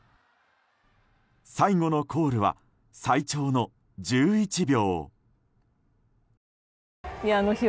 最後のコールは最長の１１秒。